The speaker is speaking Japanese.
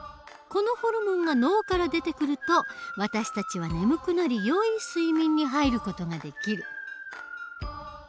このホルモンが脳から出てくると私たちは眠くなりよい睡眠に入る事ができる。